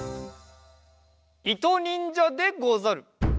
いとにんじゃでござる！